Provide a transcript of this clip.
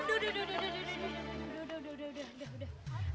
udah udah udah